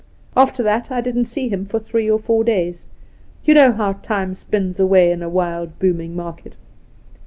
After that I didn't see him for three or four days ; you know how time spins away in a wild booming market.